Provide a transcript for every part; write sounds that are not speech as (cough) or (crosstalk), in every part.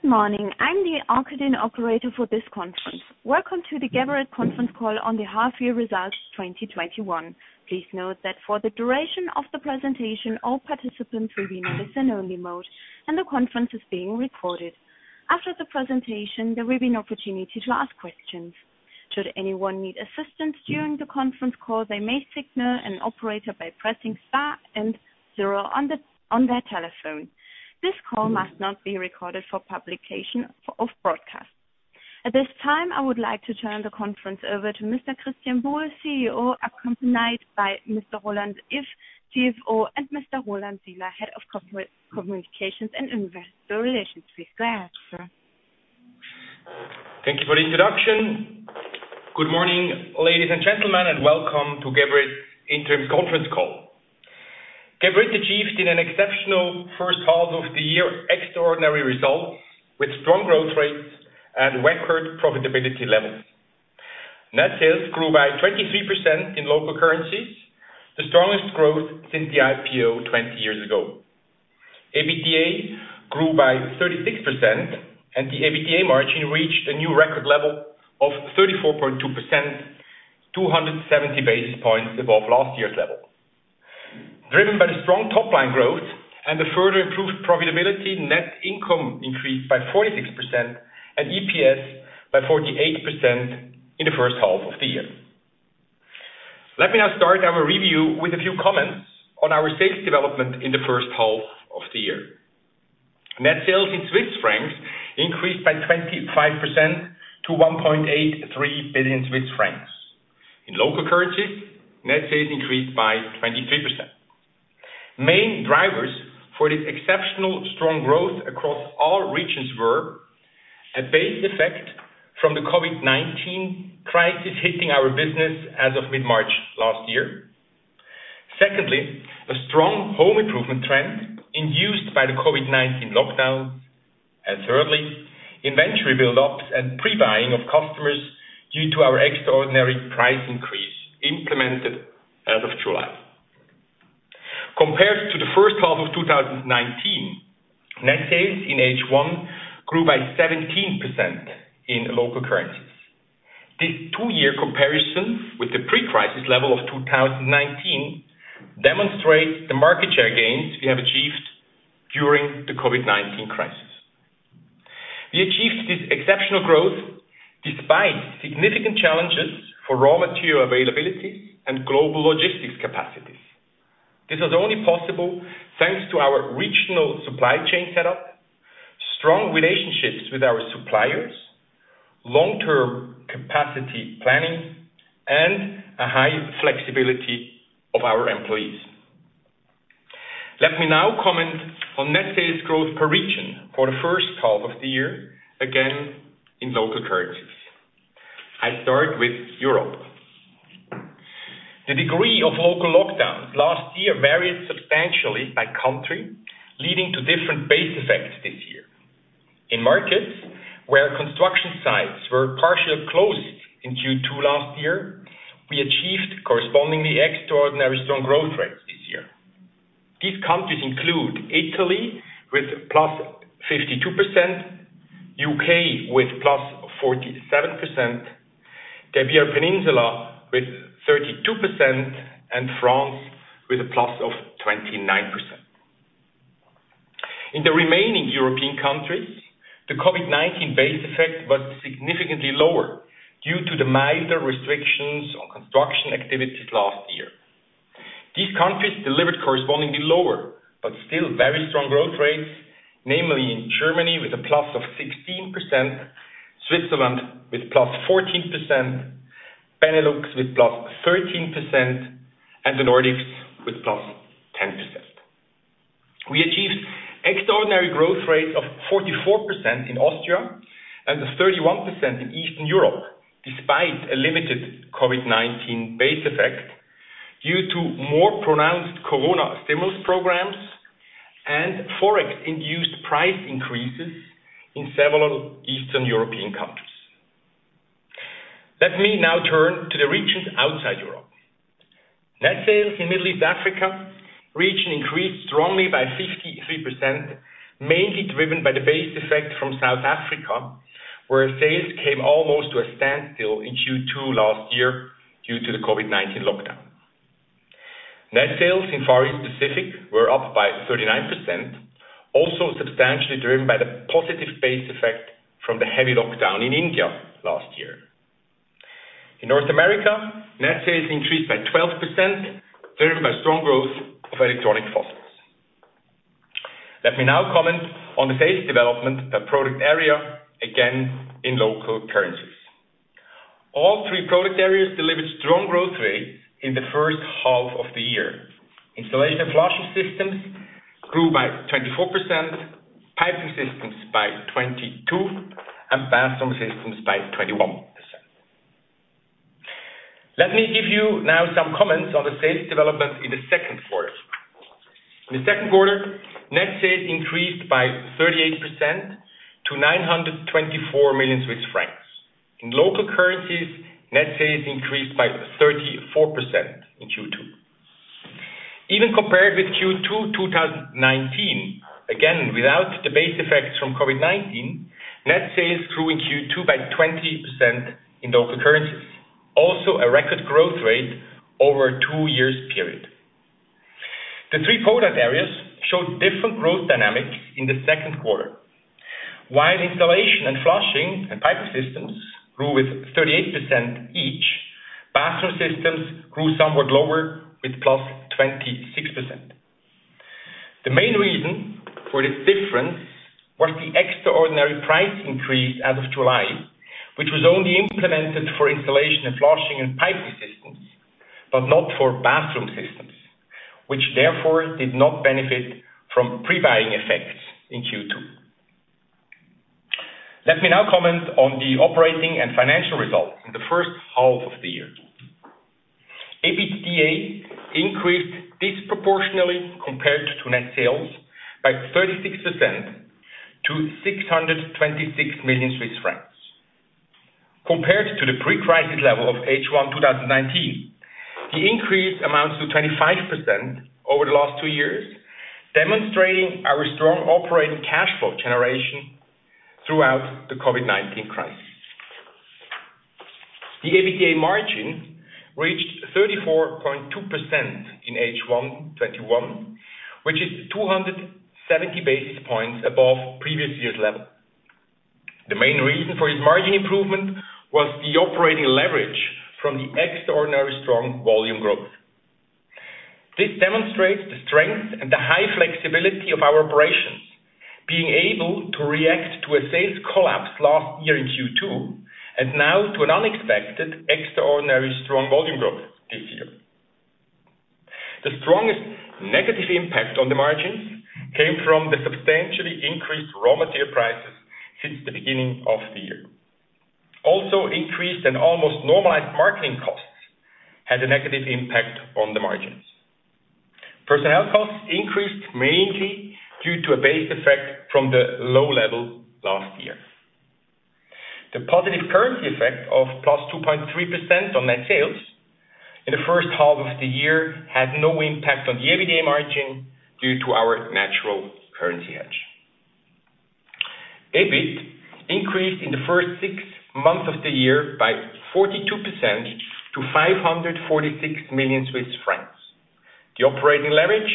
Good morning. I'm the operator for this conference. Welcome to the Geberit conference call on the half year results 2021. Please note that for the duration of the presentation, all participants will be in a listen-only mode, and the conference is being recorded. After the presentation, there will be an opportunity to ask questions. Should anyone need assistance during the conference call, they may signal an operator by pressing star and zero on their telephone. This call must not be recorded for publication of broadcast. At this time, I would like to turn the conference over to Mr. Christian Buhl, CEO, accompanied by Mr. Roland Iff, CFO, and Mr. Roman Sidler, Head of Communications and Investor Relations. Please go ahead, sir. Thank you for the introduction. Good morning, ladies and gentlemen, welcome to Geberit Interims Conference Call. Geberit achieved in an exceptional first half of the year, extraordinary results with strong growth rates and record profitability levels. Net sales grew by 23% in local currencies, the strongest growth since the IPO 20 years ago. EBITDA grew by 36%, the EBITDA margin reached a new record level of 34.2%, 270 basis points above last year's level. Driven by the strong top-line growth and the further improved profitability, net income increased by 46% and EPS by 48% in the first half of the year. Let me now start our review with a few comments on our sales development in the first half of the year. Net sales in Swiss francs increased by 25% to 1.83 billion Swiss francs. In local currency, net sales increased by 23%. Main drivers for this exceptional strong growth across all regions were a base effect from the COVID-19 crisis hitting our business as of mid-March last year. Secondly, a strong home improvement trend induced by the COVID-19 lockdown, and thirdly, inventory build-ups and pre-buying of customers due to our extraordinary price increase implemented as of July. Compared to the first half of 2019, net sales in H1 grew by 17% in local currencies. This two-year comparison with the pre-crisis level of 2019 demonstrates the market share gains we have achieved during the COVID-19 crisis. We achieved this exceptional growth despite significant challenges for raw material availability and global logistics capacities. This is only possible thanks to our regional supply chain setup, strong relationships with our suppliers, long-term capacity planning, and a high flexibility of our employees. Let me now comment on net sales growth per region for the first half of the year, again, in local currencies. I start with Europe. The degree of local lockdowns last year varied substantially by country, leading to different base effects this year. In markets where construction sites were partially closed in Q2 last year, we achieved correspondingly extraordinary strong growth rates this year. These countries include Italy with +52%, U.K. with +47%, the Iberian Peninsula with 32%, and France with a +29%. In the remaining European countries, the COVID-19 base effect was significantly lower due to the milder restrictions on construction activities last year. These countries delivered correspondingly lower, but still very strong growth rates, namely in Germany with a +16%, Switzerland with +14%, Benelux with +13%, and the Nordics with +10%. We achieved extraordinary growth rates of 44% in Austria and 31% in Eastern Europe, despite a limited COVID-19 base effect due to more pronounced corona stimulus programs and Forex-induced price increases in several Eastern European countries. Let me now turn to the regions outside Europe. Net sales in Middle East Africa region increased strongly by 53%, mainly driven by the base effect from South Africa, where sales came almost to a standstill in Q2 last year due to the COVID-19 lockdown. Net sales in Far East Pacific were up by 39%, also substantially driven by the positive base effect from the heavy lockdown in India last year. In North America, net sales increased by 12%, driven by strong growth of electronic faucets. Let me now comment on the sales development per product area, again in local currencies. All three product areas delivered strong growth rate in the first half of the year. Installation and Flushing Systems grew by 24%, Piping Systems by 22%, and Bathroom Systems by 21%. Let me give you now some comments on the sales development in the second quarter. In the second quarter, net sales increased by 38% to 924 million Swiss francs. In local currencies, net sales increased by 34% in Q2. Even compared with Q2 2019, again, without the base effects from COVID-19, net sales grew in Q2 by 20% in local currencies. Also, a record growth rate over a two years period. The three product areas showed different growth dynamics in the second quarter. While Installation and Flushing Systems and Piping Systems grew with 38% each, Bathroom Systems grew somewhat lower with +26%. The main reason for this difference was the extraordinary price increase as of July, which was only implemented for Installation and Flushing Systems and Piping Systems, but not for Bathroom Systems, which therefore did not benefit from pre-buying effects in Q2. Let me now comment on the operating and financial results in the first half of the year. EBITDA increased disproportionally compared to net sales by 36% to 626 million Swiss francs. Compared to the pre-crisis level of H1 2019, the increase amounts to 25% over the last two years, demonstrating our strong operating cash flow generation throughout the COVID-19 crisis. The EBITDA margin reached 34.2% in H1 2021, which is 270 basis points above previous year's level. The main reason for this margin improvement was the operating leverage from the extraordinary strong volume growth. This demonstrates the strength and the high flexibility of our operations, being able to react to a sales collapse last year in Q2 and now to an unexpected, extraordinary strong volume growth this year. The strongest negative impact on the margins came from the substantially increased raw material prices since the beginning of the year. Increased and almost normalized marketing costs had a negative impact on the margins. Personnel costs increased mainly due to a base effect from the low level last year. The positive currency effect of +2.3% on net sales in the first half of the year had no impact on the EBITDA margin due to our natural currency hedge. EBIT increased in the first six months of the year by 42% to 546 million Swiss francs. The operating leverage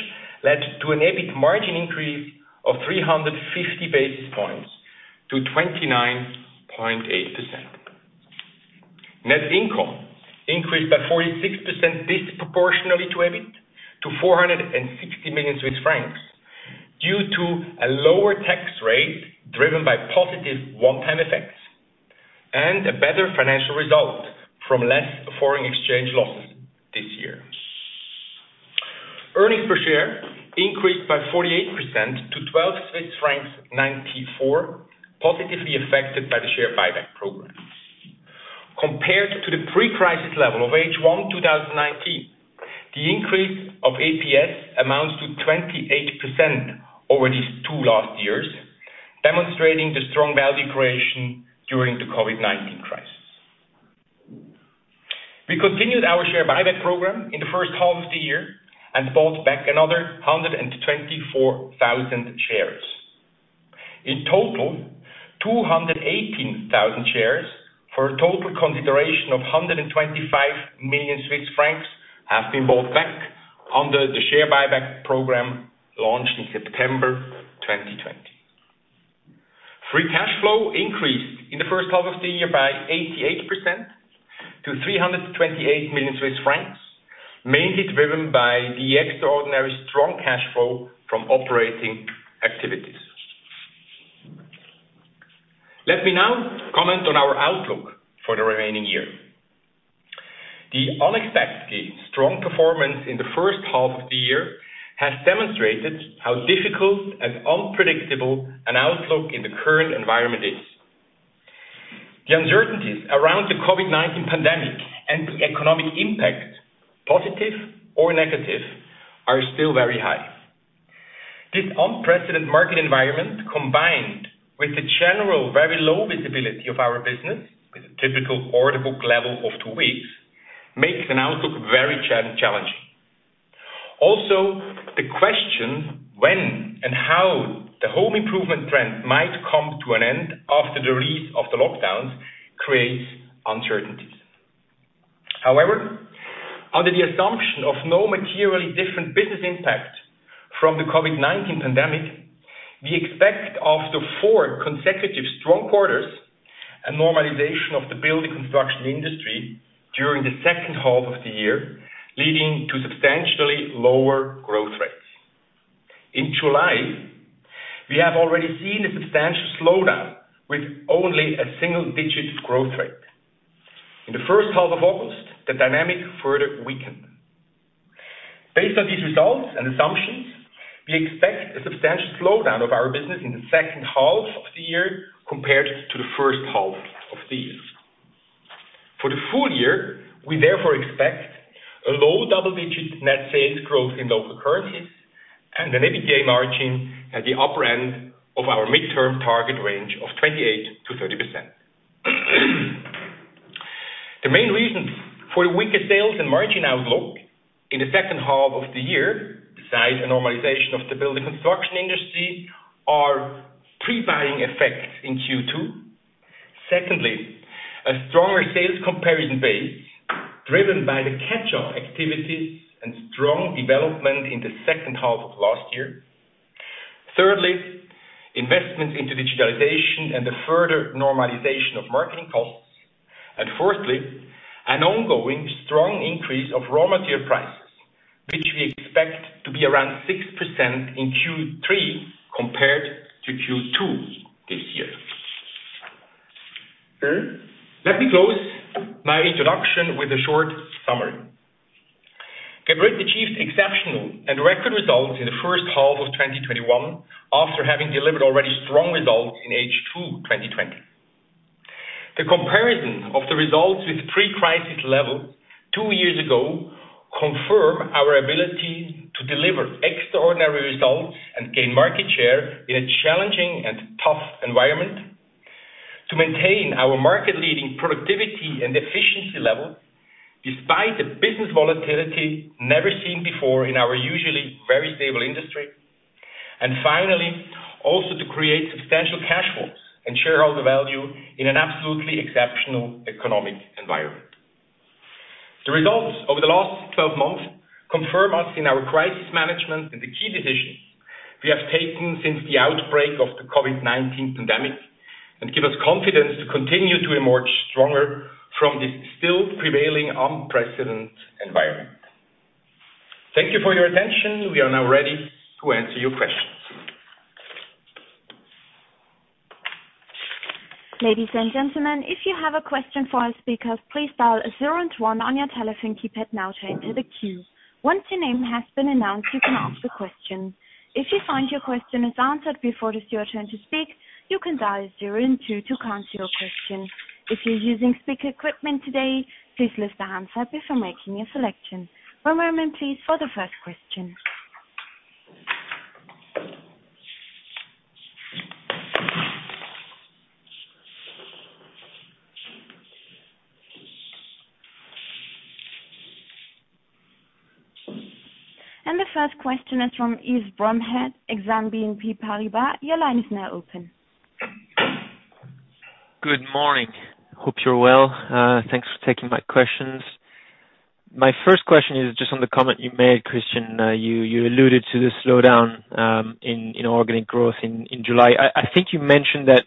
led to an EBIT margin increase of 350 basis points to 29.8%. Net income increased by 46% disproportionately to EBIT to 460 million Swiss francs due to a lower tax rate driven by positive one-time effects and a better financial result from less foreign exchange losses this year. Earnings per share increased by 48% to 12.94 Swiss francs, positively affected by the share buyback program. Compared to the pre-crisis level of H1 2019, the increase of EPS amounts to 28% over these two last years, demonstrating the strong value creation during the COVID-19 crisis. We continued our share buyback program in the first half of the year and bought back another 124,000 shares. In total, 218,000 shares for a total consideration of 125 million Swiss francs have been bought back under the share buyback program launched in September 2020. Free cash flow increased in the first half of the year by 88% to 328 million Swiss francs, mainly driven by the extraordinary strong cash flow from operating activities. Let me now comment on our outlook for the remaining year. The unexpectedly strong performance in the first half of the year has demonstrated how difficult and unpredictable an outlook in the current environment is. The uncertainties around the COVID-19 pandemic and the economic impact, positive or negative, are still very high. This unprecedented market environment, combined with the general very low visibility of our business, with a typical order book level of two weeks, makes an outlook very challenging. Also, the question, when and how the home improvement trend might come to an end after the release of the lockdowns creates uncertainties. However, under the assumption of no materially different business impact from the COVID-19 pandemic, we expect after four consecutive strong quarters, a normalization of the building construction industry during the second half of the year, leading to substantially lower growth rates. In July, we have already seen a substantial slowdown with only a single-digit growth rate. In the first half of August, the dynamic further weakened. Based on these results and assumptions, we expect a substantial slowdown of our business in the second half of the year compared to the first half of this year. For the full year, we therefore expect a low double-digit net sales growth in local currencies and an EBITDA margin at the upper end of our midterm target range of 28%-30%. The main reasons for the weaker sales and margin outlook in the second half of the year, besides a normalization of the building construction industry, are pre-buying effects in Q2. Secondly, a stronger sales comparison base driven by the catch-up activities and strong development in the second half of last year. Thirdly, investments into digitalization and the further normalization of marketing costs. Fourthly, an ongoing strong increase of raw material prices, which we expect to be around 6% in Q3 compared to Q2 this year. Let me close my introduction with a short summary. Geberit achieved exceptional and record results in the first half of 2021, after having delivered already strong results in H2 2020. The comparison of the results with pre-crisis level two years ago confirm our ability to deliver extraordinary results and gain market share in a challenging and tough environment. To maintain our market leading productivity and efficiency level, despite the business volatility never seen before in our usually very stable industry. Finally, also to create substantial cash flows and shareholder value in an absolutely exceptional economic environment. The results over the last 12 months confirm us in our crisis management and the key decisions we have taken since the outbreak of the COVID-19 pandemic, and give us confidence to continue to emerge stronger from this still prevailing unprecedented environment. Thank you for your attention. We are now ready to answer your questions. Ladies and gentlemen, if you have a question for our speakers please dial zero one on you telephone keypad, (audio distortion) once your name has been announced you can ask your question. If you find your question has answered before it's your turn to speak, you can dial zero two to cancel your question. If yyou'reusing speaker equipment today, please use the handset. (audio distortion) The first question is from Yves Bromehead, Exane BNP Paribas. Your line is now open. Good morning. Hope you're well. Thanks for taking my questions. My first question is just on the comment you made, Christian. You alluded to the slowdown in organic growth in July. I think you mentioned that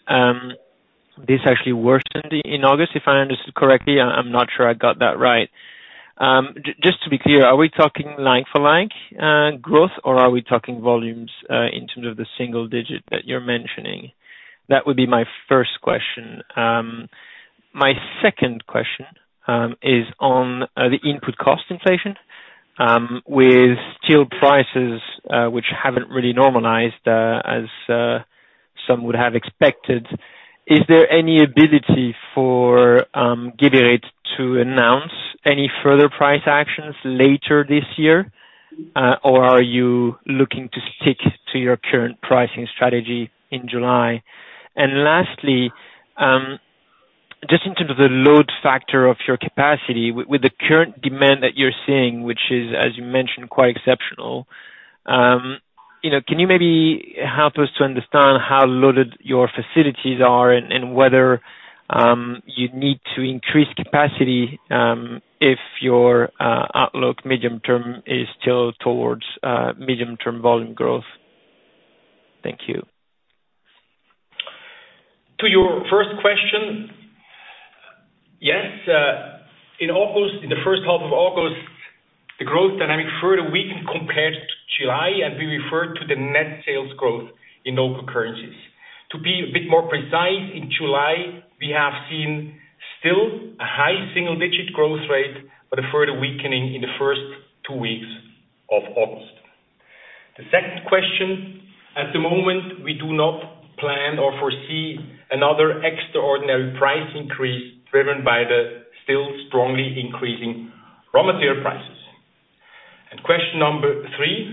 this actually worsened in August, if I understood correctly. I'm not sure I got that right. Just to be clear, are we talking like-for-like growth or are we talking volumes, in terms of the single digit that you're mentioning? That would be my first question. My second question is on the input cost inflation. With steel prices, which haven't really normalized, as some would have expected, is there any ability for Geberit to announce any further price actions later this year? Are you looking to stick to your current pricing strategy in July? Lastly, just in terms of the load factor of your capacity, with the current demand that you're seeing, which is, as you mentioned, quite exceptional. Can you maybe help us to understand how loaded your facilities are and whether you need to increase capacity, if your outlook medium term is still towards medium-term volume growth? Thank you. To your first question, yes, in the first half of August, the growth dynamic further weakened compared to July, and we referred to the net sales growth in local currencies. To be a bit more precise, in July, we have seen still a high single-digit growth rate, but a further weakening in the first two weeks of August. The second question. At the moment, we do not plan or foresee another extraordinary price increase driven by the still strongly increasing raw material prices. Question number three.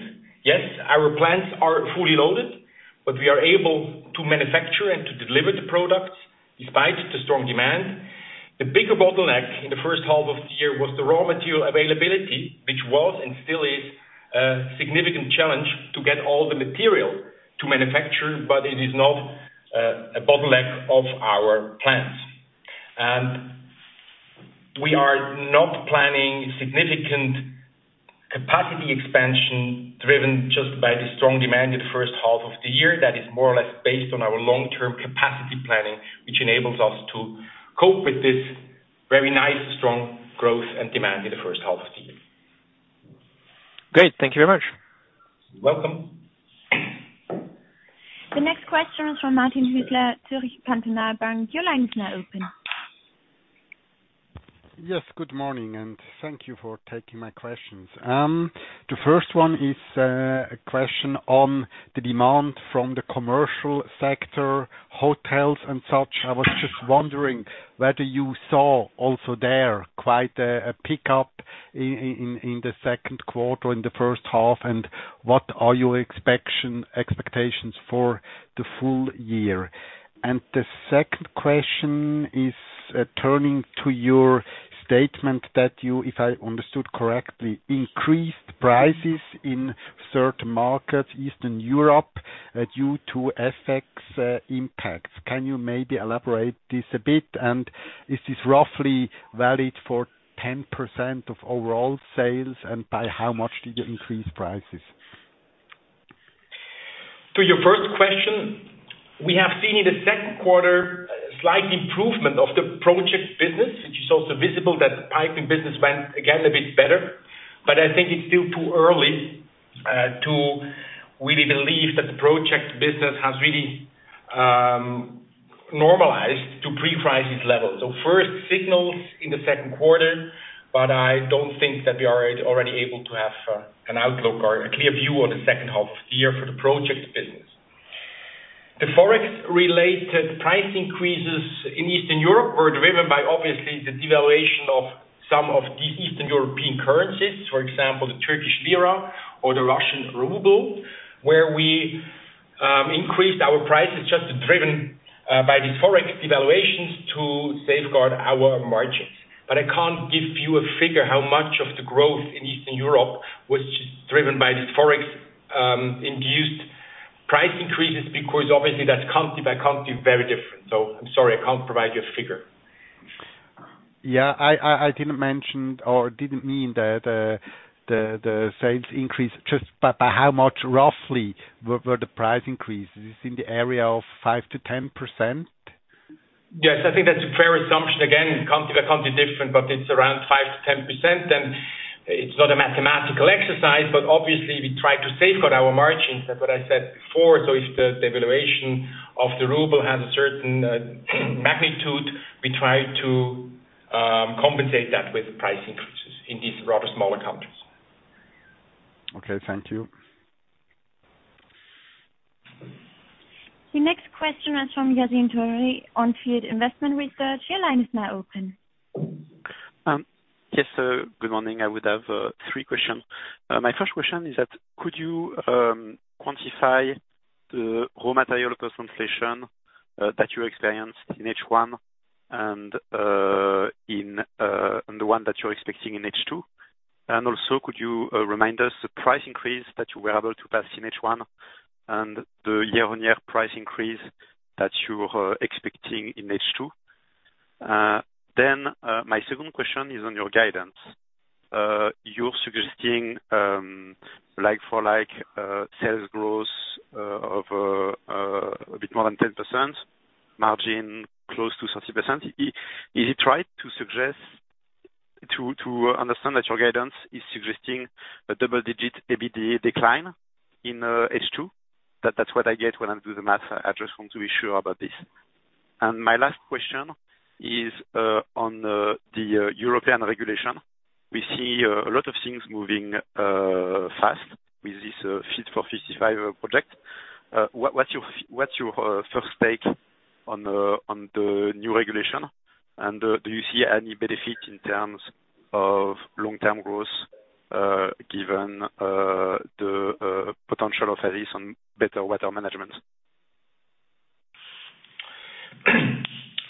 Yes, our plants are fully loaded, but we are able to manufacture and to deliver the products despite the strong demand. The bigger bottleneck in the first half of the year was the raw material availability, which was and still is a significant challenge to get all the material to manufacture, but it is not a bottleneck of our plants. We are not planning significant capacity expansion driven just by the strong demand in the first half of the year. That is more or less based on our long-term capacity planning, which enables us to cope with this very nice, strong growth and demand in the first half of the year. Great. Thank you very much. You're welcome. The next question is from Martin Hüsler, Zürcher Kantonalbank. Your line is now open. Yes. Good morning, thank you for taking my questions. The first one is a question on the demand from the commercial sector hotels and such. I was just wondering whether you saw also there quite a pickup in the second quarter, in the first half, and what are your expectations for the full year? The second question is turning to your statement that you, if I understood correctly, increased prices in certain markets, Eastern Europe, due to FX impacts. Can you maybe elaborate this a bit? Is this roughly valid for 10% of overall sales, and by how much did you increase prices? To your first question, we have seen in the second quarter a slight improvement of the project business, which is also visible that the piping business went again a bit better. I think it's still too early to really believe that the project business has really normalized to pre-crisis levels. First signals in the second quarter, but I don't think that we are already able to have an outlook or a clear view on the second half of the year for the project business. The Forex related price increases in Eastern Europe were driven by obviously the devaluation of some of the Eastern European currencies, for example, the Turkish lira or the Russian ruble, where we increased our prices just driven by these Forex devaluations to safeguard our margins. I can't give you a figure how much of the growth in Eastern Europe was driven by these Forex induced price increases, because obviously that's country by country very different. I'm sorry, I can't provide you a figure. Yeah, I didn't mention or didn't mean the sales increase, just by how much roughly were the price increases, in the area of 5%-10%? Yes, I think that's a fair assumption. Again, country by country different, but it's around 5%-10% and it's not a mathematical exercise, but obviously we try to safeguard our margins, like what I said before. If the devaluation of the ruble has a certain magnitude, we try to compensate that with price increases in these rather smaller countries. Okay, thank you. The next question is from Yassine Touahri, On Field Investment Research. Your line is now open. Yes, good morning. I would have three questions. My first question is that could you quantify the raw material inflation that you experienced in H1 and the one that you're expecting in H2? Also, could you remind us the price increase that you were able to pass in H1 and the year-on-year price increase that you are expecting in H2? My second question is on your guidance. You're suggesting like for like sales growth of a bit more than 10%, margin close to 30%. Is it right to understand that your guidance is suggesting a double-digit EBITDA decline in H2? That's what I get when I do the math. I just want to be sure about this. My last question is on the European regulation. We see a lot of things moving fast with this 'Fit for 55 project'. What's your first take on the new regulation? Do you see any benefit in terms of long-term growth, given the potential of this on better water management?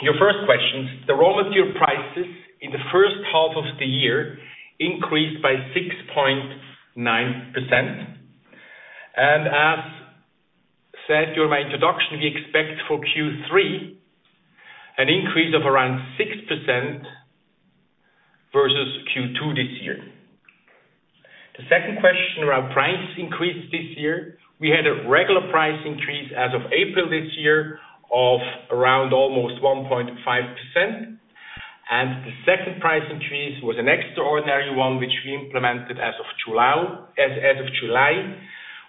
Your first question, the raw material prices in the first half of the year increased by 6.9%. As said during my introduction, we expect for Q3 an increase of around 6% versus Q2 this year. The second question around price increase this year, we had a regular price increase as of April this year of around almost 1.5%. The second price increase was an extraordinary one, which we implemented as of July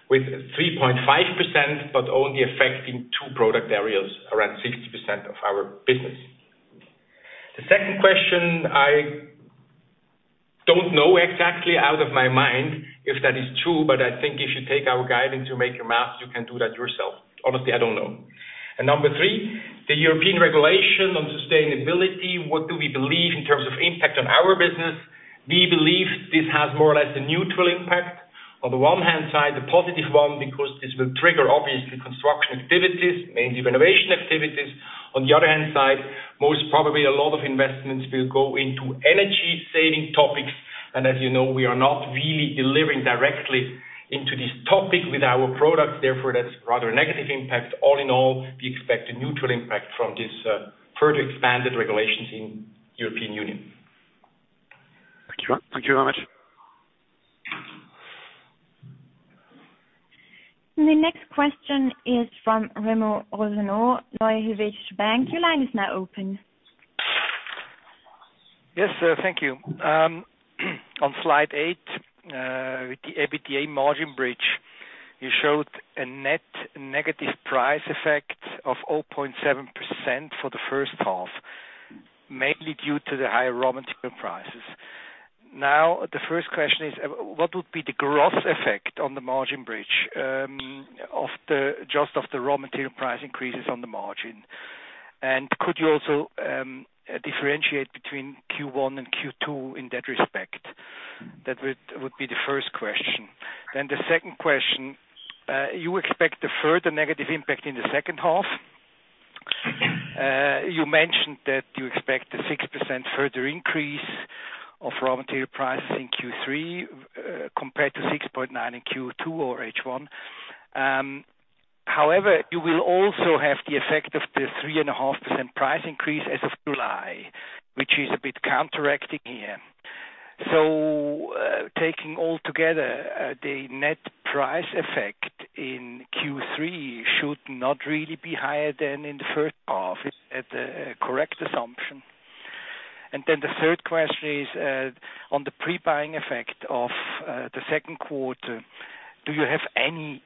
with 3.5%, but only affecting two product areas, around 60% of our business. The second question, I don't know exactly out of my mind if that is true, but I think if you take our guidance, you make your math, you can do that yourself. Honestly, I don't know. Number three, the European regulation on sustainability, what do we believe in terms of impact on our business? We believe this has more or less a neutral impact. On the one hand side, a positive one, because this will trigger obviously construction activities, mainly renovation activities. On the other hand side, most probably a lot of investments will go into energy saving topics, and as you know, we are not really delivering directly into this topic with our products, therefore, that's rather a negative impact. All in all, we expect a neutral impact from this further expanded regulations in European Union. Thank you very much. The next question is from Remo Rosenau, Helvetische Bank. Your line is now open. Yes, thank you. On slide 8, the EBITDA margin bridge, you showed a net negative price effect of 0.7% for the first half. Mainly due to the high raw material prices. The first question is, what would be the gross effect on the margin bridge, just of the raw material price increases on the margin? Could you also differentiate between Q1 and Q2 in that respect? That would be the first question. The second question, you expect a further negative impact in the second half. You mentioned that you expect a 6% further increase of raw material prices in Q3 compared to 6.9% in Q2 or H1. However, you will also have the effect of the 3.5% price increase as of July, which is a bit counteracting here. Taking all together, the net price effect in Q3 should not really be higher than in the first half. Is that a correct assumption? The third question is, on the pre-buying effect of the second quarter, do you have any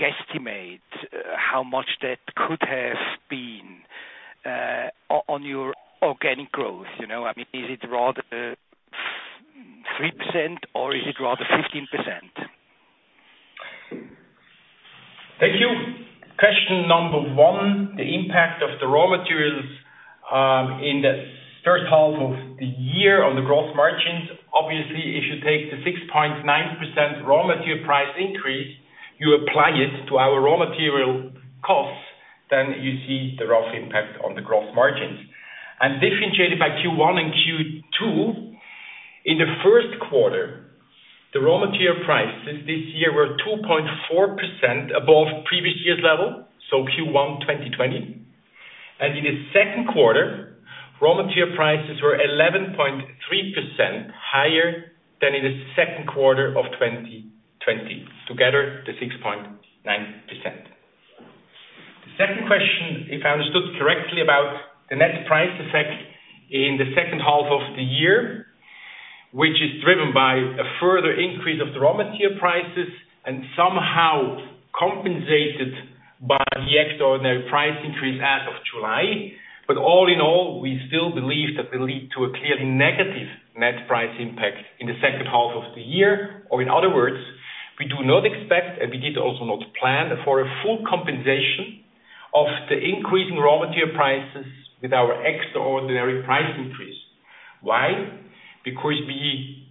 guesstimate how much that could have been, on your organic growth? Is it rather 3% or is it rather 15%? Thank you. Question number one, the impact of the raw materials in the first half of the year on the gross margins. Obviously, if you take the 6.9% raw material price increase, you apply it to our raw material costs, then you see the rough impact on the gross margins. Differentiated by Q1 and Q2, in the first quarter, the raw material prices this year were 2.4% above previous year's level, so Q1 2020. In the second quarter, raw material prices were 11.3% higher than in the second quarter of 2020. Together, the 6.9%. The second question, if I understood correctly, about the net price effect in the second half of the year, which is driven by a further increase of the raw material prices and somehow compensated by the extraordinary price increase as of July. All in all, we still believe that will lead to a clearly negative net price impact in the second half of the year, or in other words, we do not expect, and we did also not plan for a full compensation of the increasing raw material prices with our extraordinary price increase. Why? Because we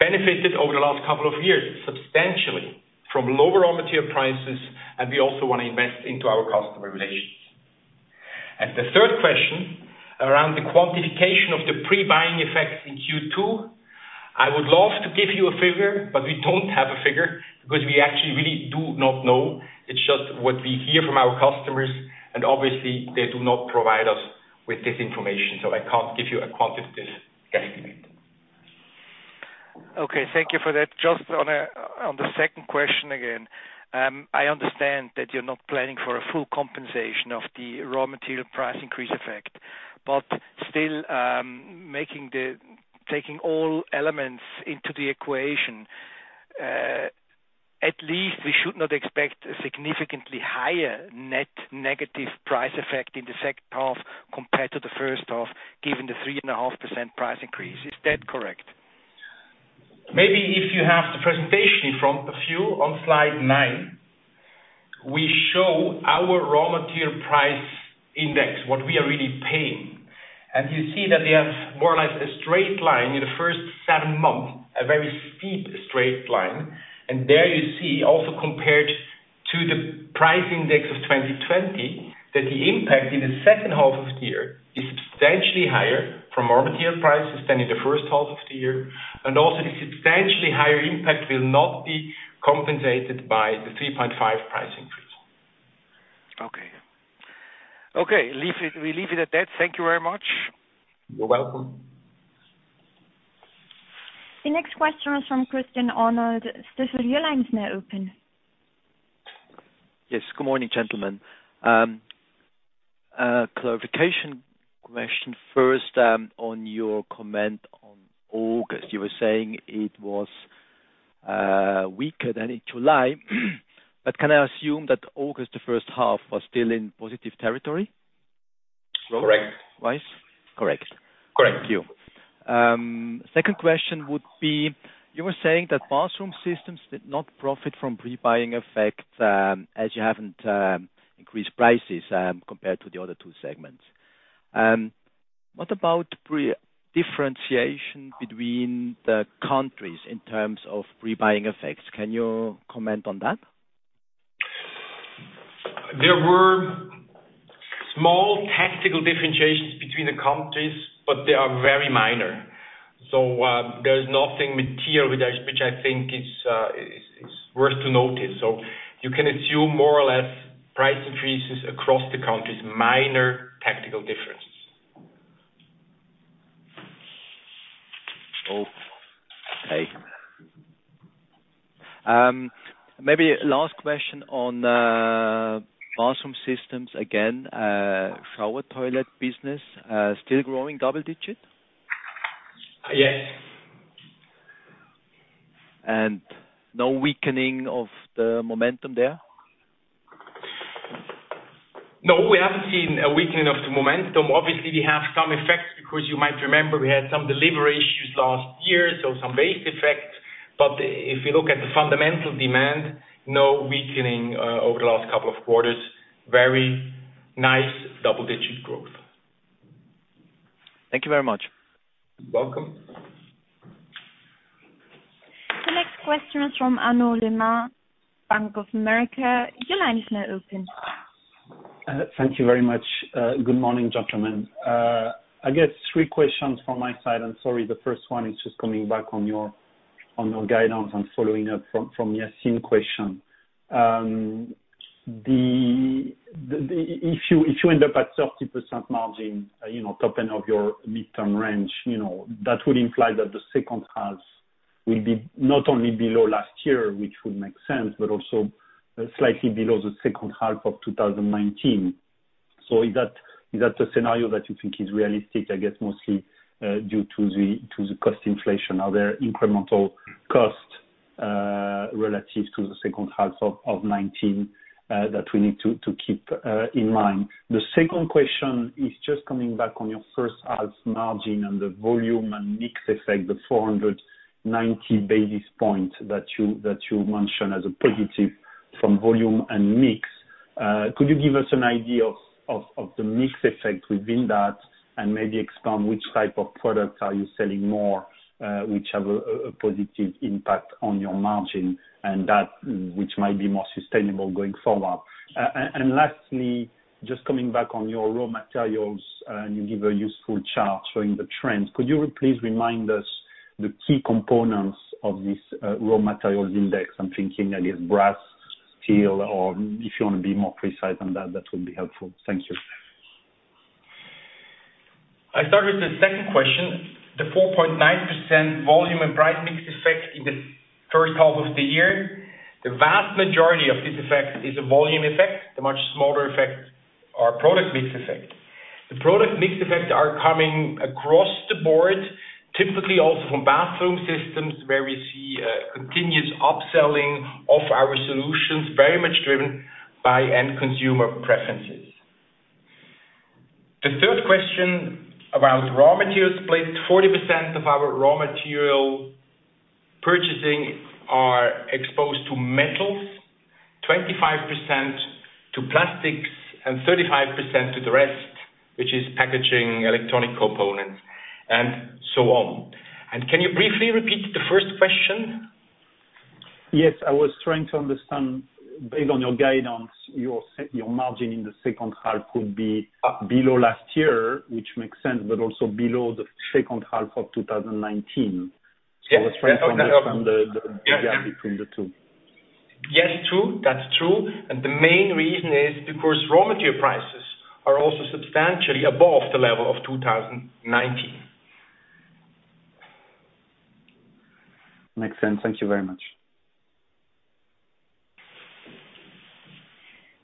benefited over the last couple of years substantially from low raw material prices, and we also want to invest into our customer relations. The third question, around the quantification of the pre-buying effects in Q2. I would love to give you a figure, but we don't have a figure because we actually really do not know. It's just what we hear from our customers, and obviously they do not provide us with this information. I can't give you a quantitative guesstimate. Okay. Thank you for that. Just on the second question again. I understand that you're not planning for a full compensation of the raw material price increase effect, but still, taking all elements into the equation, at least we should not expect a significantly higher net negative price effect in the second half compared to the first half, given the 3.5% price increase. Is that correct? Maybe if you have the presentation in front of you, on slide nine, we show our raw material price index, what we are really paying. You see that we have more or less a straight line in the first seven months, a very steep straight line. There you see also compared to the price index of 2020, that the impact in the second half of the year is substantially higher for raw material prices than in the first half of the year, and also the substantially higher impact will not be compensated by the 3.5% price increase. Okay. We leave it at that. Thank you very much. You're welcome. The next question is from Christian Arnold. Yes, good morning, gentlemen. A clarification question first on your comment on August. You were saying it was weaker than in July. Can I assume that August the first half was still in positive territory? Correct. Right. Correct. Correct. Thank you. Second question would be, you were saying that Bathroom Systems did not profit from pre-buying effect, as you haven't increased prices, compared to the other two segments. What about pre-differentiation between the countries in terms of pre-buying effects? Can you comment on that? There were small tactical differentiations between the countries, but they are very minor. There is nothing material with that, which I think is worth to notice. You can assume more or less price increases across the countries, minor tactical differences. Oh, okay. Maybe last question on Bathroom Systems again, shower toilet business, still growing double-digit? Yes. No weakening of the momentum there? No, we haven't seen a weakening of the momentum. Obviously, we have some effects because you might remember we had some delivery issues last year, so some base effects. If you look at the fundamental demand, no weakening over the last couple of quarters. Very nice double-digit growth. Thank you very much. Welcome. The next question is from Arnaud Lehmann, Bank of America. Your line is now open. Thank you very much. Good morning, gentlemen. I guess three questions from my side. Sorry, the first one is just coming back on your guidance and following up from Yassine question. If you end up at 30% margin, top end of your midterm range, that would imply that the second half will be not only below last year, which would make sense, but also slightly below the second half of 2019. Is that a scenario that you think is realistic, I guess, mostly due to the cost inflation? Are there incremental costs relative to the second half of 2019 that we need to keep in mind? The second question is just coming back on your first half's margin and the volume and mix effect, the 490 basis points that you mentioned as a positive from volume and mix. Could you give us an idea of the mix effect within that and maybe expand which type of products are you selling more, which have a positive impact on your margin and that which might be more sustainable going forward? Lastly, just coming back on your raw materials, and you give a useful chart showing the trend. Could you please remind us the key components of this raw materials index? I'm thinking, I guess, brass, steel, or if you want to be more precise than that would be helpful. Thank you. I start with the second question. The 4.9% volume and price mix effect in the first half of the year, the vast majority of this effect is a volume effect. The much smaller effect are product mix effect. The product mix effect are coming across the board, typically also from Bathroom Systems, where we see a continuous upselling of our solutions, very much driven by end consumer preferences. The third question about raw materials split, 40% of our raw material purchasing are exposed to metals, 25% to plastics, and 35% to the rest, which is packaging, electronic components, and so on. Can you briefly repeat the first question? Yes, I was trying to understand, based on your guidance, your margin in the second half could be up below last year, which makes sense, but also below the second half of 2019. Yes. I was trying to understand the gap between the two. Yes, true. That's true. The main reason is because raw material prices are also substantially above the level of 2019. Makes sense. Thank you very much.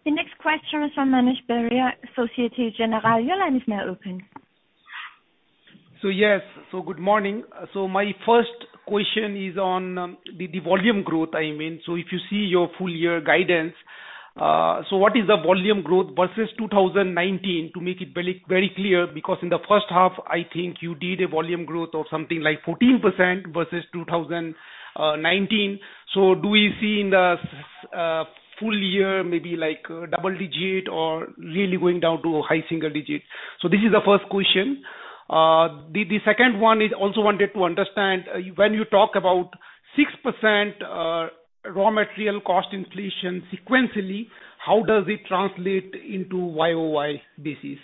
The next question is from Manish Beria, Societe Generale. Your line is now open. Yes. Good morning. My first question is on the volume growth, I mean. If you see your full year guidance, what is the volume growth versus 2019 to make it very clear? Because in the first half, I think you did a volume growth of something like 14% versus 2019. Do we see in the full year, maybe double digit or really going down to a high single-digit? This is the first question. The second one is also wanted to understand, when you talk about 6% raw material cost inflation sequentially, how does it translate into year-over-year basis?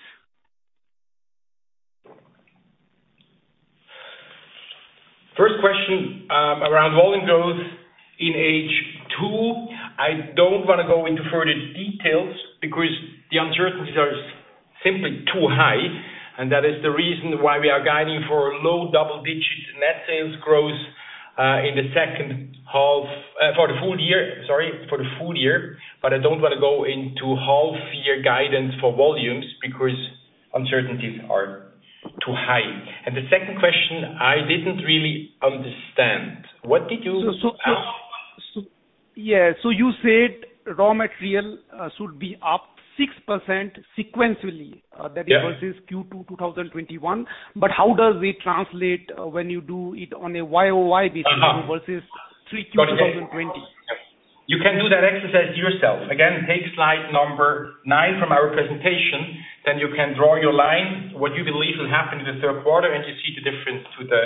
First question, around volume growth in H2. I don't want to go into further details because the uncertainties are simply too high, that is the reason why we are guiding for low double-digit net sales growth for the full year, I don't want to go into half year guidance for volumes because uncertainties are too high. The second question, I didn't really understand. Yeah. You said raw material should be up 6% sequentially. Yeah. -that is versus Q2 2021. How does it translate when you do it on a year-over-year basis versus 3Q 2020? You can do that exercise yourself. Again, take slide number nine from our presentation, then you can draw your line, what you believe will happen in the third quarter, and you see the difference to the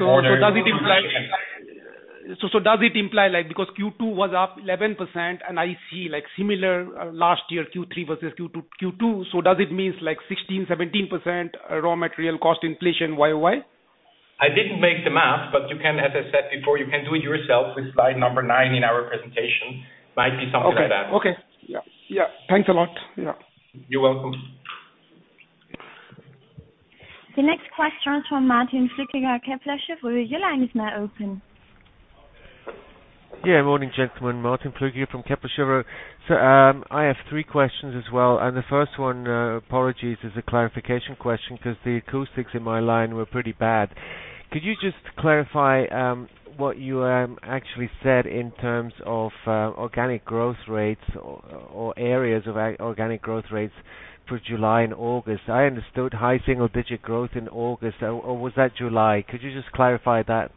quarter. Does it imply, because Q2 was up 11% and I see similar last year, Q3 versus Q2, does it mean 16%, 17% raw material cost inflation year-over-year? I didn't make the math, but you can, as I said before, you can do it yourself with slide number nine in our presentation. Might be something like that. Okay. Yeah. Thanks a lot. Yeah. You're welcome. The next question is from Martin Flückiger, Kepler Cheuvreux. Your line is now open. Yeah. Morning, gentlemen. Martin Flückiger here from Kepler Cheuvreux. I have three questions as well. The first one, apologies, is a clarification question because the acoustics in my line were pretty bad. Could you just clarify what you actually said in terms of organic growth rates or areas of organic growth rates for July and August? I understood high single-digit growth in August or was that July? Could you just clarify that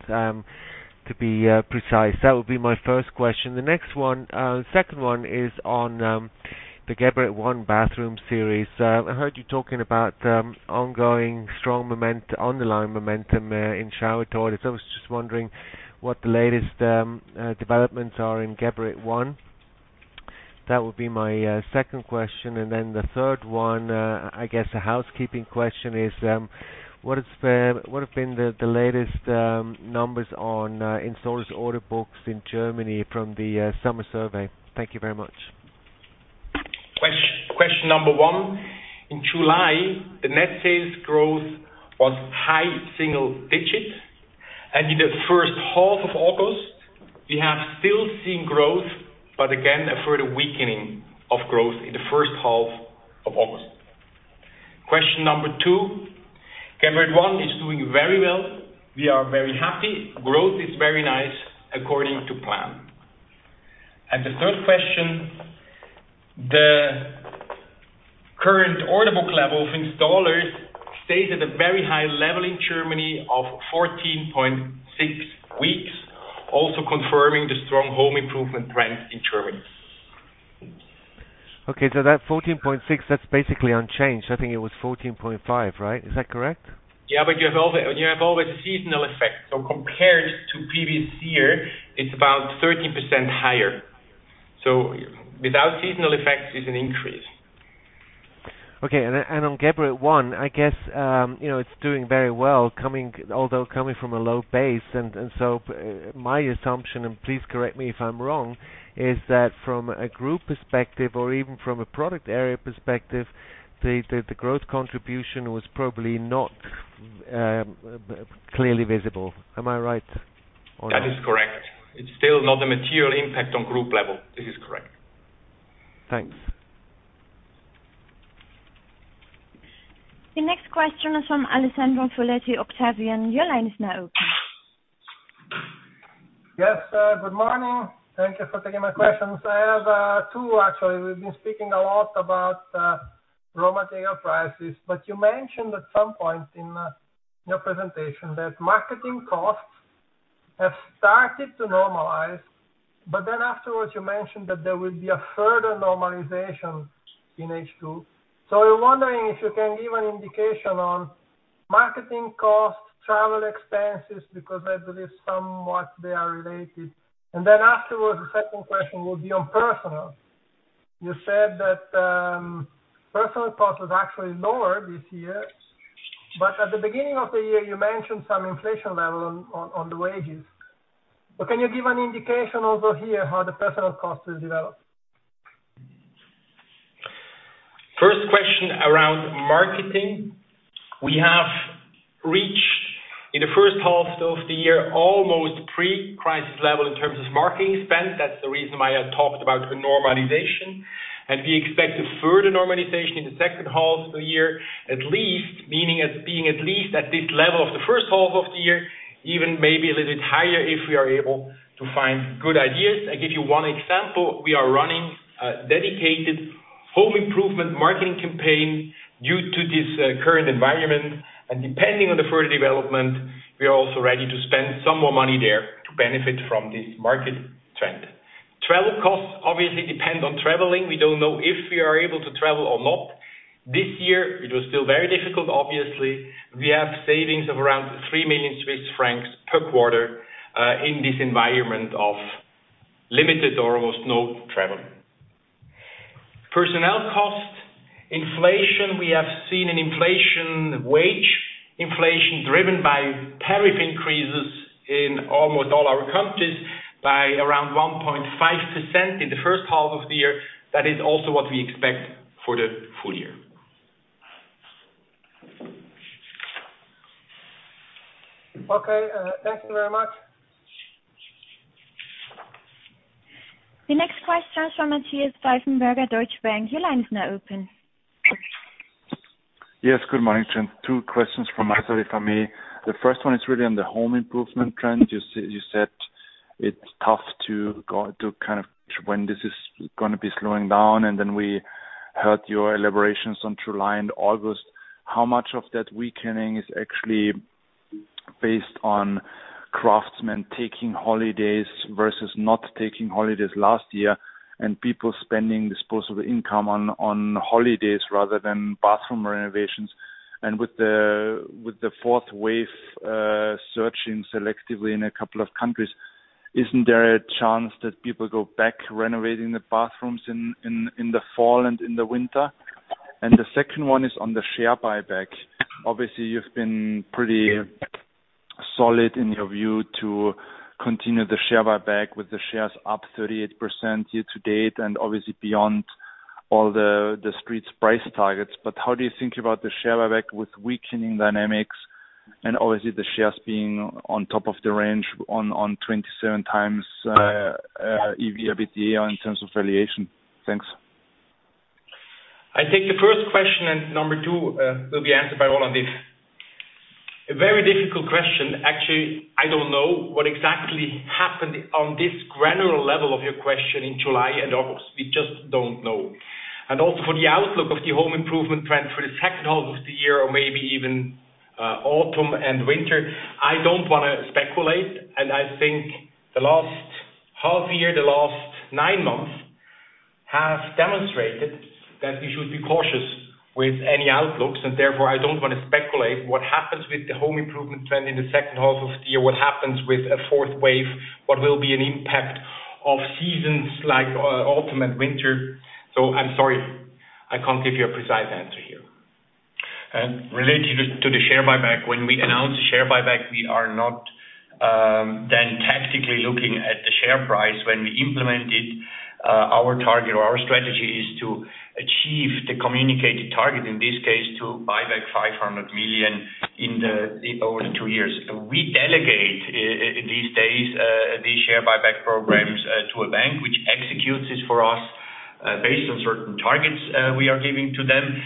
to be precise? That would be my first question. The second one is on the Geberit ONE bathroom series. I heard you talking about ongoing strong underlying momentum in shower toilet. I was just wondering what the latest developments are in Geberit ONE. That would be my second question. Then the third one, I guess a housekeeping question is, what have been the latest numbers on installers order books in Germany from the summer survey? Thank you very much. Question number one, in July, the net sales growth was high single-digit, in the first half of August, we have still seen growth, but again, a further weakening of growth in the first half of August. Question number two, Geberit ONE is doing very well. We are very happy. Growth is very nice, according to plan. The third question, the current order book level of installers stays at a very high level in Germany of 14.6 weeks, also confirming the strong home improvement trends in Germany. Okay. That 14.6, that's basically unchanged. I think it was 14.5, right? Is that correct? Yeah, you have always seasonal effects. Compared to previous year, it's about 13% higher. Without seasonal effects is an increase. Okay. On Geberit ONE, I guess, it's doing very well although coming from a low base. My assumption, and please correct me if I'm wrong, is that from a group perspective or even from a product area perspective, the growth contribution was probably not clearly visible. Am I right or no? That is correct. It's still not a material impact on group level. This is correct. Thanks. The next question is from Alessandro Foletti, Octavian. Your line is now open. Yes. Good morning. Thank you for taking my questions. I have two, actually. We've been speaking a lot about raw material prices, you mentioned at some point in your presentation that marketing costs have started to normalize. Afterwards you mentioned that there will be a further normalization in H2. I was wondering if you can give an indication on marketing costs, travel expenses, because I believe somewhat they are related. Afterwards, the second question will be on personnel. You said that personnel cost was actually lower this year. At the beginning of the year, you mentioned some inflation level on the wages. Can you give an indication also here how the personnel cost is developed? First question around marketing. We have reached, in the first half of the year, almost pre-crisis level in terms of marketing spend. That's the reason why I talked about a normalization. We expect a further normalization in the second half of the year, at least, meaning as being at least at this level of the first half of the year, even maybe a little bit higher if we are able to find good ideas. I give you one example. We are running a dedicated home improvement marketing campaign due to this current environment. Depending on the further development, we are also ready to spend some more money there to benefit from this market trend. Travel costs obviously depend on traveling. We don't know if we are able to travel or not. This year it was still very difficult, obviously. We have savings of around 3 million Swiss francs per quarter, in this environment of limited or almost no travel. Personnel cost inflation, we have seen wage inflation driven by tariff increases in almost all our countries by around 1.5% in the first half of the year. That is also what we expect for the full year. Okay. Thank you very much. The next question is from Matthias Pfeifenberger, Deutsche Bank. Your line is now open. Yes, good morning, gentlemen. Two questions from my side for me. The first one is really on the home improvement trend. You said it's tough to kind of when this is going to be slowing down, and then we heard your elaborations on July and August. How much of that weakening is actually based on craftsmen taking holidays versus not taking holidays last year and people spending disposable income on holidays rather than bathroom renovations? With the fourth wave surging selectively in a couple of countries, isn't there a chance that people go back renovating the bathrooms in the fall and in the winter? The second one is on the share buyback. Obviously, you've been pretty solid in your view to continue the share buyback with the shares up 38% year to date, and obviously beyond all the Street's price targets. How do you think about the share buyback with weakening dynamics? Obviously the shares being on top of the range on 27x EV/EBITDA in terms of valuation. Thanks. I think the first question and number two will be answered by Roland. A very difficult question. Actually, I don't know what exactly happened on this granular level of your question in July and August. We just don't know. Also for the outlook of the home improvement trend for the second half of the year, or maybe even autumn and winter, I don't want to speculate. I think the last half-year, the last nine months have demonstrated that we should be cautious with any outlooks, and therefore, I don't want to speculate what happens with the home improvement trend in the second half of the year, what happens with a fourth wave, what will be an impact of seasons like autumn and winter. I'm sorry, I can't give you a precise answer here. Related to the share buyback. When we announce a share buyback, we are not then tactically looking at the share price. When we implement it, our target or our strategy is to achieve the communicated target, in this case, to buyback 500 million over the two years. We delegate, these days, these share buyback programs to a bank which executes it for us based on certain targets we are giving to them.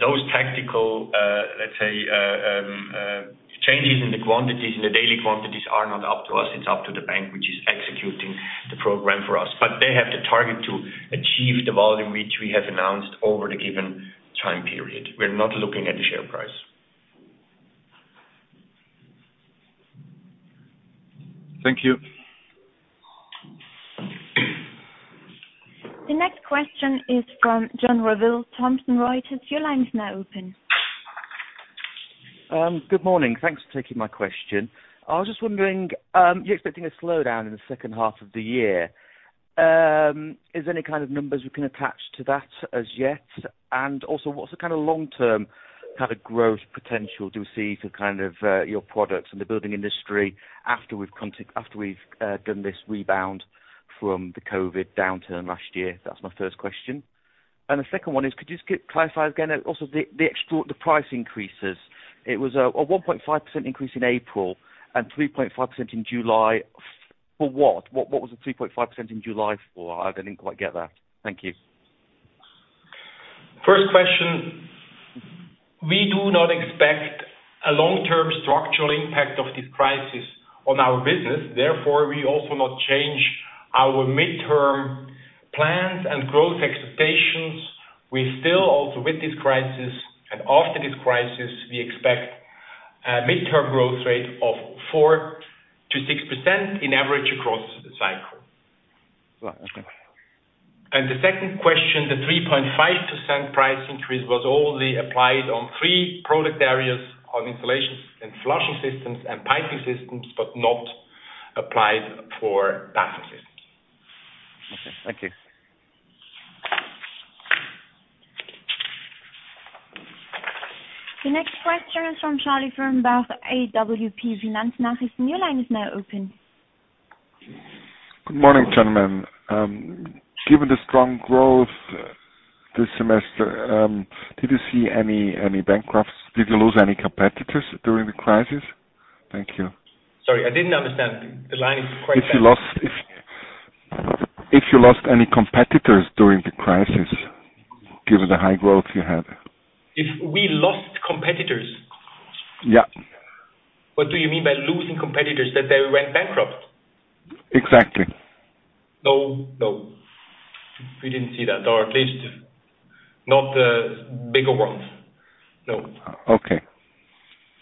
Those tactical, let's say, changes in the quantities, in the daily quantities are not up to us. It's up to the bank which is executing the program for us. They have the target to achieve the volume which we have announced over the given time period. We are not looking at the share price. Thank you. The next question is from John Revill, Thomson Reuters. Your line is now open. Good morning. Thanks for taking my question. I was just wondering, you're expecting a slowdown in the second half of the year. Is there any kind of numbers we can attach to that as yet? What's the kind of long-term kind of growth potential do you see for your products and the building industry after we've done this rebound from the COVID-19 downturn last year? That's my first question. The second one is, could you just clarify again, also the price increases? It was a 1.5% increase in April and 3.5% in July. For what? What was the 3.5% in July for? I didn't quite get that. Thank you. First question, we do not expect a long-term structural impact of this crisis on our business. Therefore, we also will not change our mid-term plans and growth expectations. We still also, with this crisis and after this crisis, we expect a mid-term growth rate of 4%-6% in average across the cycle. Right. Okay. The second question, the 3.5% price increase was only applied on three product areas, on Installation and Flushing Systems and Piping Systems, but not applied for Bathroom Systems. Okay. Thank you. The next question is from Charlie Fehrenbach, AWP FinanzNachrichten. Your line is now open. Good morning, gentlemen. Given the strong growth this semester, did you see any bankruptcies? Did you lose any competitors during the crisis? Thank you. Sorry, I didn't understand. The line is quite bad. If you lost any competitors during the crisis, given the high growth you had? If we lost competitors? Yeah. What do you mean by losing competitors? That they went bankrupt? Exactly. No. We didn't see that, or at least not the bigger ones. No. Okay.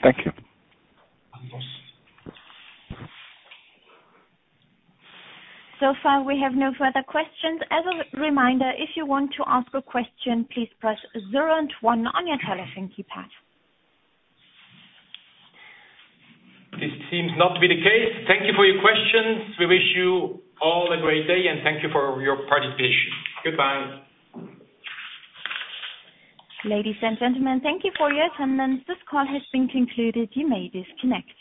Thank you. So far, we have no further questions. As a reminder, if you want to ask a question, please press zero and one on your telephone keypad. This seems not to be the case. Thank you for your questions. We wish you all a great day, and thank you for your participation. Goodbye. Ladies and gentlemen, thank you for your attendance. This call has been concluded. You may disconnect.